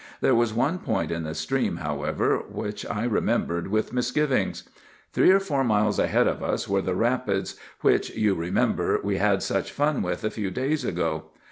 There was one point in the stream, however, which I remembered with misgivings. "Three or four miles ahead of us were the rapids which, you remember, we had such fun with a few days ago.